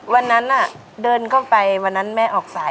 วันนั้นเดินเข้าไปวันนั้นแม่ออกสาย